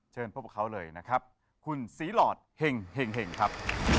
พบกับเขาเลยนะครับคุณศรีหลอดเห็งครับ